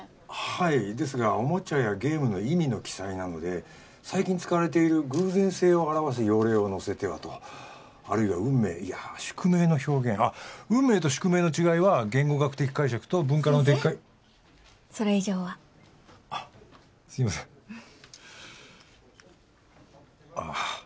はいですがおもちゃやゲームの意味の記載なので最近使われている偶然性を表す用例を載せてはとあるいは運命いや宿命の表現あっ運命と宿命の違いは言語学的解釈と文化論的解先生それ以上はあっすいませんあっ